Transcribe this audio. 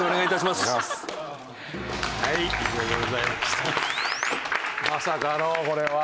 まさかのこれは。